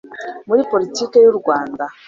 muri politiki by u Rwanda